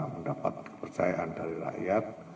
mendapat kepercayaan dari rakyat